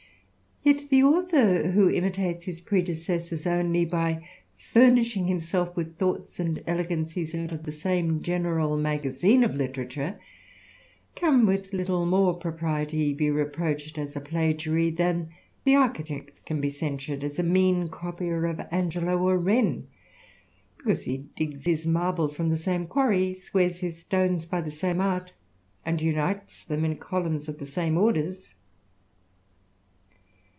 Yet fee author who imitates his predecessors only by furnish uig himself with thoughts and elegancies out of the same general magazine of literature, can with little more propriety ^ reproached as a plagiary, than the architect can be censured as a mean copier of Angelo or Wren, because he ^8 his marble from the same quarry, squares his stones by ^^e same art, and unites them in columns of the same orders.